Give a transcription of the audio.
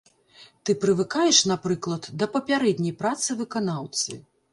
Ты прывыкаеш, напрыклад, да папярэдняй працы выканаўцы.